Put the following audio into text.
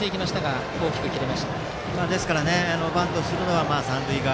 バントするなら三塁側。